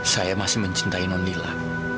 saya masih mencintai nonila